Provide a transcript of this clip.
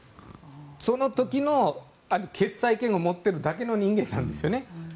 その時の決裁権を持っているだけの人間なんですね。